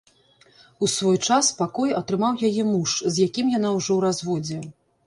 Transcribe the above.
У свой час пакой атрымаў яе муж, з якім яна ўжо ў разводзе.